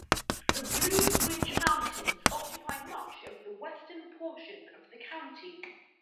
The Blue Ridge Mountains occupy much of the western portion of the county.